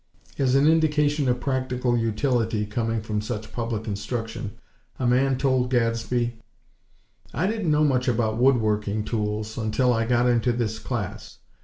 As an indication of practical utility coming from such public instruction, a man told Gadsby: "I didn't know much about wood working tools until I got into this class.